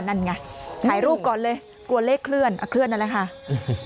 นั่นไงถ่ายรูปก่อนเลยกลัวเลขเคลื่อนเดินไป